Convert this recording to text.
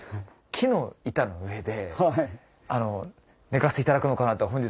木の板の上で寝かせていただくのかなと。